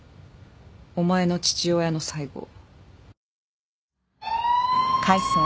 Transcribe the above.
お前の父親の最期を。